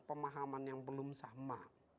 pemahaman yang belum sama